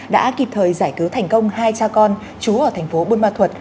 đã kịp thời giải cứu thành công hai cha con trú ở thành phố bôn ma thuật